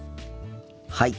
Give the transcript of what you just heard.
はい。